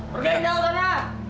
pergi ke dalam sana